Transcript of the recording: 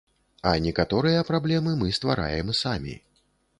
А некаторыя праблемы мы ствараем самі.